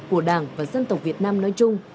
của đảng và dân tộc việt nam nói chung